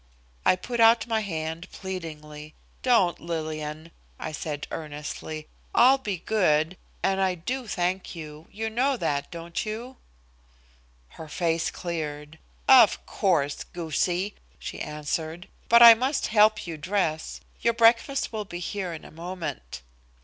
I put out my hand pleadingly. "Don't, Lillian," I said earnestly. "I'll be good, and I do thank you. You know that, don't you?" Her face cleared. "Of course, goosie," she answered. "But I must help you dress. Your breakfast will be here in a moment."